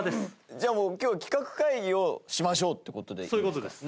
じゃあもう今日企画会議をしましょうっていう事でいいんですか？